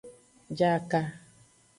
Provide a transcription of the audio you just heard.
Jaka.